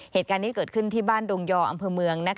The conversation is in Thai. เหตุการณ์นี้เกิดขึ้นที่บ้านดงยออำเภอเมือง